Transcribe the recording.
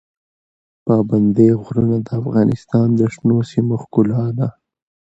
پابندی غرونه د افغانستان د شنو سیمو ښکلا ده.